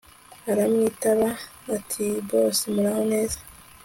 aramwitaba atiboss muraho neza